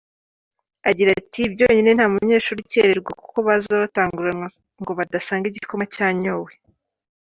Agira ati “Byonyine nta munyeshuri ukererwa kuko baza batanguranwa ngo badasanga igikoma cyanyowe.